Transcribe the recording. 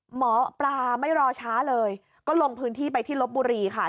หมอปลาไม่รอช้าเลยก็ลงพื้นที่ไปที่ลบบุรีค่ะ